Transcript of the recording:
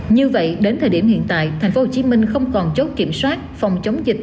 như vậy đến thời điểm hiện tại tp hcm không còn chốt kiểm soát phòng chống dịch